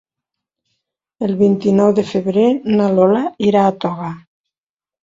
El vint-i-nou de febrer na Lola irà a Toga.